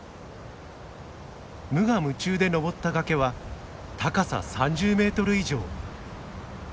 無我夢中で登った崖は高さ３０メートル以上。